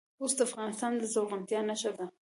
اوښ د افغانستان د زرغونتیا نښه ده.